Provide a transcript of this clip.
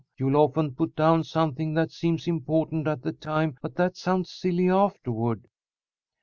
You'll often put down something that seems important at the time, but that sounds silly afterward."